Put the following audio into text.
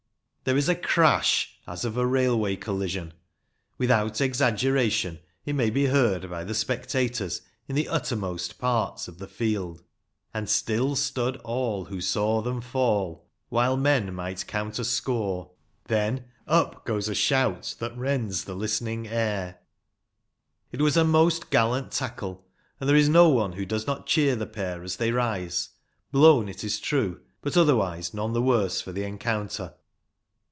There is a crash as of a railway collision ; 318 RUGBY FOOTBALL. without exaggeration it may be heard by the spectators in the uttermost parts of the field ;" and still stood all who saw them fall, while men might count a score ;" then up goes a shout that rends the listening air. It was a most gallant tackle, and there is no one who does not cheer the pair as they rise, blown it is true, but otherwise none the worse for the encounter.